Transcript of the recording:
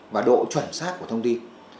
và độ chuẩn xác của thông tin